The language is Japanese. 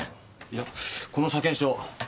いやこの車検証。